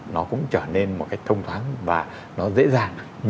nó cũng trở nên một cách thông thoáng và nó dễ dàng